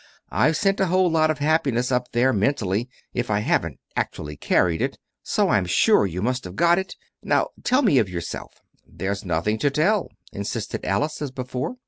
"I've sent a whole lot of happiness up there mentally, if I haven't actually carried it; so I'm sure you must have got it. Now tell me of yourself." "There's nothing to tell," insisted Alice, as before.